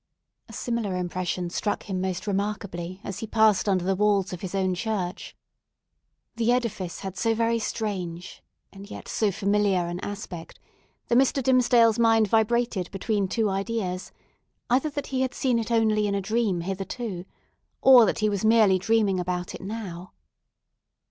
A similar impression struck him most remarkably as he passed under the walls of his own church. The edifice had so very strange, and yet so familiar an aspect, that Mr. Dimmesdale's mind vibrated between two ideas; either that he had seen it only in a dream hitherto, or that he was merely dreaming about it now.